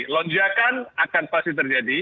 lonjakan akan pasti terjadi